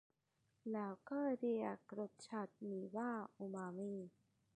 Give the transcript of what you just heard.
แล้วก็เรียกรสชาตินี้ว่าอูมามิ